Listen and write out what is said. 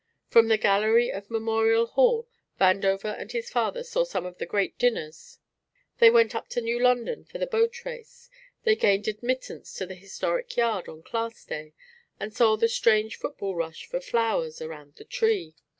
From the gallery of Memorial Hall Vandover and his father saw some of the great dinners; they went up to New London for the boat race; they gained admittance to the historic Yard on Class day, and saw the strange football rush for flowers around the "Tree."